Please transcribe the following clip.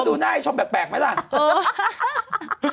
ดูหน้าให้ชมแปลกไหมล่ะ